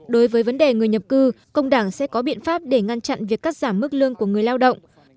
đối với vấn đề người nhập cư công đảng sẽ có biện pháp để ngăn chặn việc cắt giảm mức lương của người lao động